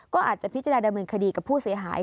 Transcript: ก็อาจจะพิจารณาดำเนินคดีกับผู้เสียหาย